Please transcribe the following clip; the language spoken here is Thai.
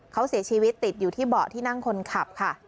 เขาเสียชีวิตติดอยู่ที่เบาะที่นั่งคนขับค่ะ